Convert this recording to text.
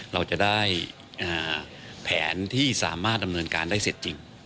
เราจะได้แผนที่สามารถดำเนินการได้เสร็จจริง